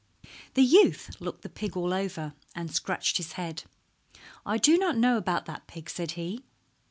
The youth looked the pig all over, and scratched his head. "I do not know about that pig," said he.